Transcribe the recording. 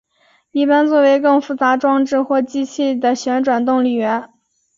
一般作为更复杂装置或机器的旋转动力源。